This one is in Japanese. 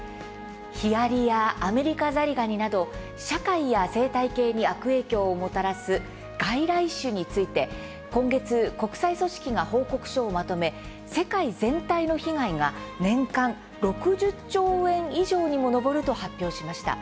ヒアリやアメリカザリガニなど社会や生態系に悪影響をもたらす外来種について今月、国際組織が報告書をまとめ世界全体の被害が年間６０兆円以上にも上ると発表しました。